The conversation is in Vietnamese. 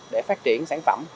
để phát triển sản phẩm